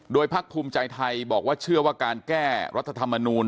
โดยพักภูมิใจไทยบอกว่าเชื่อว่าการแก้รัฐธรรมนูล